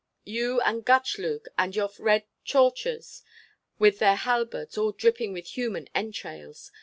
—you and Gutchlug and your red Tchortchas with their halberds all dripping with human entrails!